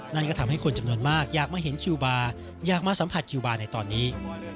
นั่นก็ทำให้คนจำนวนมากอยากมาเห็นคิวบาร์อยากมาสัมผัสคิวบาร์ในตอนนี้